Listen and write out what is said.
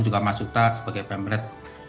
juga mas yuta sebagai pamlet